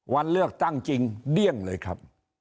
วันเลือกตั้งจริงเดี้ยงเลยครับ